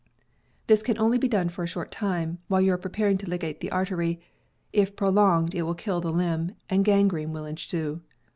This can only be done for a short time, while you are preparing to ligate the artery; if prolonged, it will kill the limb, and gangrene will ensue.